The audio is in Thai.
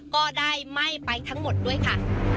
ก็ได้ไหม้ไปทั้งหมดด้วยค่ะ